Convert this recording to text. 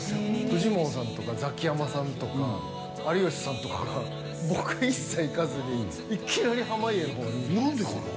フジモンさんとかザキヤマさんとか有吉さんとかが僕一切行かずにいきなり濱家の方に何でかな？